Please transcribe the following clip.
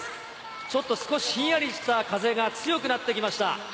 ちょっと、ひんやりした風が強くなってきました。